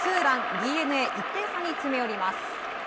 ＤｅＮＡ、１点差に詰め寄ります。